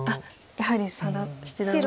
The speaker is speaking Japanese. やはり佐田七段は。